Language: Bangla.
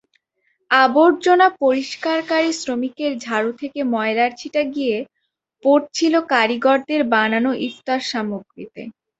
আবর্জনা পরিষ্কারকারী শ্রমিকের ঝাড়ু থেকে ময়লার ছিটা গিয়ে পড়ছিল কারিগরদের বানানো ইফতারসামগ্রীতে।